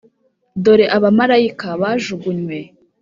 dore abamarayika bajugunywe,